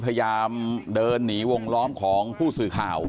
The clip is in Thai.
พยายามเดินหนีวงล้อมของผู้สื่อข่าว